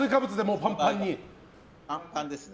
パンパンですね。